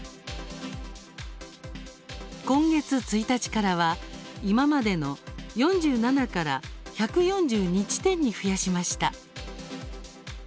今月１日からは今までの４７から１４２地点に増やしました。